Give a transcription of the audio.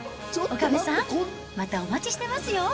岡部さん、またお待ちしてますよ。